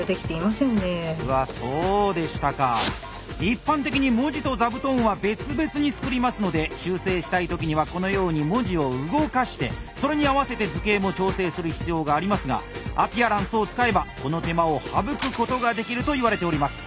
一般的に文字とザブトンは別々に作りますので修正したい時にはこのように文字を動かしてそれに合わせて図形も調整する必要がありますがアピアランスを使えばこの手間を省くことができるといわれております。